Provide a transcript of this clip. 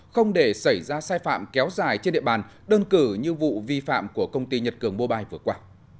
không để xảy ra sai phạm kéo dài trên địa bàn đơn cử như vụ vi phạm của công ty nhật cường mobile vừa qua